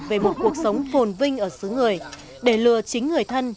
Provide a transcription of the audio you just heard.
về một cuộc sống phồn vinh ở xứ người để lừa chính người thân